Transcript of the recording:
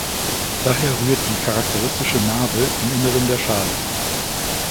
Daher rührt die charakteristische Narbe im Inneren der Schale.